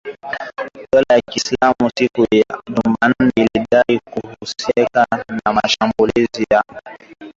Dola la kiislamu siku ya Jumanne lilidai kuhusika na shambulizi lililoua takribani raia kumi na watano.